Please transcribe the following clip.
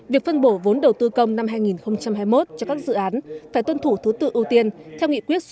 việc phân bổ vốn đầu tư công năm hai nghìn hai mươi một cho các dự án phải tuân thủ thứ tự ưu tiên theo nghị quyết số hai mươi